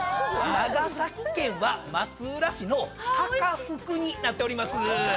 長崎県は松浦市の鷹ふくになっております。